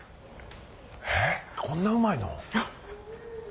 えっこんなうまいの？